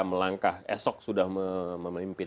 melangkah esok sudah memimpin